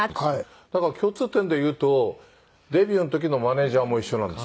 だから共通点でいうとデビューの時のマネジャーも一緒なんです。